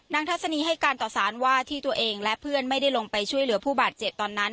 ทัศนีให้การต่อสารว่าที่ตัวเองและเพื่อนไม่ได้ลงไปช่วยเหลือผู้บาดเจ็บตอนนั้น